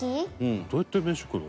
「どうやって飯食うの？